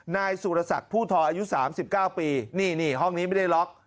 นายสุรศักดิ์ผู้ทออายุ๓๙ปีนี่นี่ห้องนี้ไม่ได้ล็อก